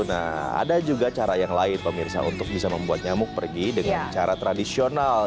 nah ada juga cara yang lain pemirsa untuk bisa membuat nyamuk pergi dengan cara tradisional